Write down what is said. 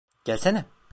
Gelsene.